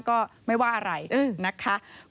ก็ไม่ว่าอะไรนะคะ